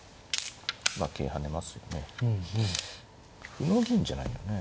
歩の銀じゃないよね。